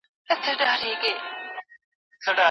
د غوره لارښود استاد ټاکل د هر محصل حق دی.